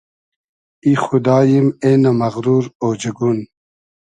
ای خوداییم اېنۂ مئغرور اۉجئگون